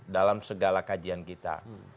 dalam segala kajian kita